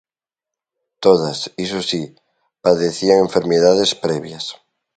Todas, iso si, padecían enfermidades previas.